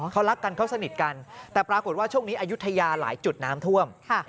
เขารักกันเขาสนิทกันแต่ปรากฏว่าช่วงนี้อายุทยาหลายจุดน้ำท่วม